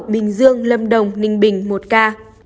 bình dương lâm đồng ninh bình một ca